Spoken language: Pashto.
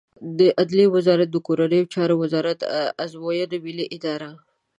د عدلیې وزارت د کورنیو چارو وزارت، د ازموینو ملی اداره